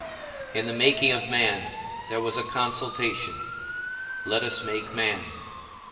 In the making of man there was a consultation; Let us make man.